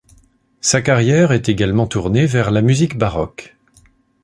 Sa carrière est également tournée vers la musique baroque.